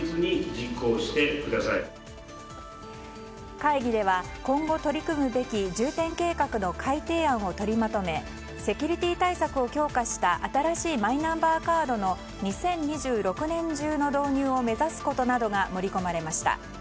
会議では、今後取り組むべき重点計画の改定案を取りまとめセキュリティー対策を強化した新しいマイナンバーカードの２０２６年中の導入を目指すことなどが盛り込まれました。